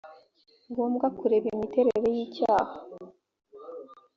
ngombwa kureba imiterere y icyaha